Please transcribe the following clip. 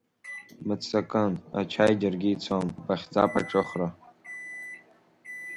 Бмыццакын, ачаи џьаргьы ицом, бахьӡап аҿыхра!